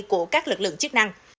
của các lực lượng chức năng